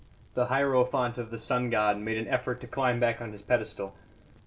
The hierophant of the sun god made an effort to climb back on his pedestal.